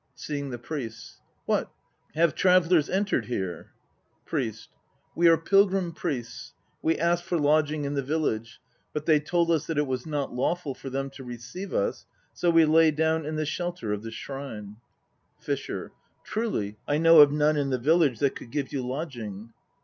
(Seeing the PRIESTS.) What, have travellers entered here? PRIEST. We are pilgrim priests. We asked for lodging in the village. But they told us that it was not lawful for them to receive us, so we lay down in the shelter of this shrine. FISHER. Truly, truly: I know of none in the village that could give you lodging.